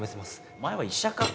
お前は医者か？